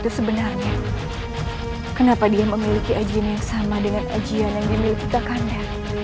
sebenarnya kenapa dia memiliki ajian yang sama dengan ajian yang dimiliki kakanda